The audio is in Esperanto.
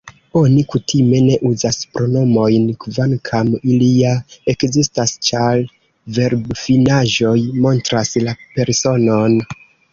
Oni kutime ne uzas pronomojn, kvankam ili ja ekzistas, ĉar verbfinaĵoj montras la personon.